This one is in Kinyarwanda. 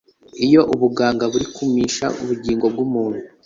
iyo ubuganga buri kumisha ubugingo bw'umuntu,